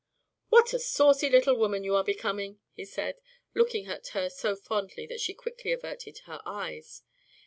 "What a saucy little woman you are becoming!" he said, looking at her so fondly that she quickly averted her eyes.